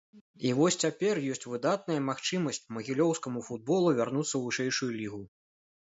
І вось цяпер ёсць выдатная магчымасць магілёўскаму футболу вярнуцца ў вышэйшую лігу.